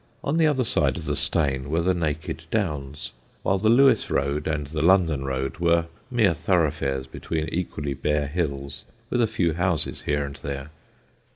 On the other side of the Steyne were the naked Downs, while the Lewes road and the London Road were mere thoroughfares between equally bare hills, with a few houses here and there.